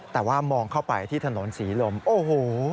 แต่ว่ามองเข้าไปที่ถนนศรีลมโอ้โห